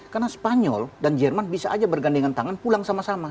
karena spanyol dan jerman bisa aja bergandengan tangan pulang sama sama